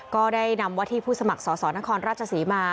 ก็ได้นำว่าที่ผู้สมัครสอสอนครราชศรีมา